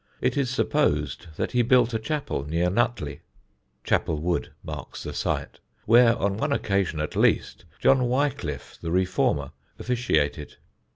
It is supposed that he built a chapel near Nutley ("Chapel Wood" marks the site) where, on one occasion at least, John Wycliffe the reformer officiated.